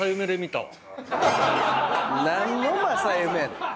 何の正夢やねん！